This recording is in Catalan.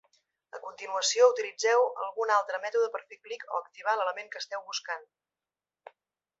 A continuació, utilitzeu algun altre mètode per fer clic o "activar" l'element que esteu buscant.